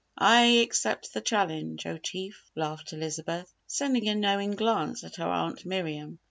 "I accept that challenge, Oh Chief," laughed Elizabeth, sending a knowing glance at her Aunt Miriam.